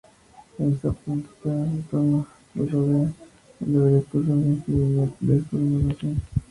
Esta plazoleta, o rotonda, que rodea el obelisco, sufrió infinidad de remodelaciones.